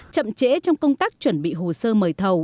chậm trễ trong công tác chuẩn bị hồ sơ mời thầu